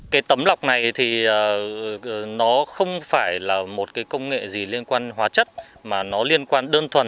cái tấm lọc này thì nó không phải là một cái công nghệ gì liên quan hóa chất mà nó liên quan đơn thuần